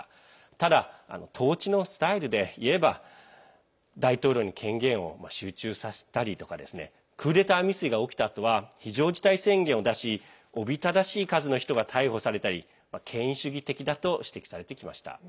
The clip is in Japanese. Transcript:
ただ、統治のスタイルでいえば大統領に権限を集中させたりクーデター未遂が起きたあとは非常事態宣言を出しおびただしい数の人が逮捕されたり権威主義的だと指摘されてきました。